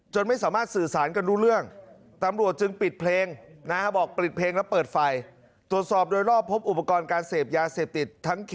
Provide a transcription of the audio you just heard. จนไม่สามารถสื่อสารกันรู้เรื่อง